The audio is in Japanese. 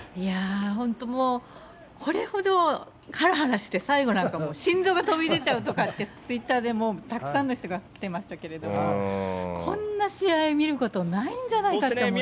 本当もう、これほどはらはらして、最後なんかもう、心臓が飛び出ちゃうとかって、ツイッターでもたくさんの人がきてましたけれども、こんな試合見ることないんじゃないかって思っちゃいます。